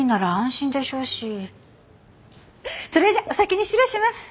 それじゃお先に失礼します。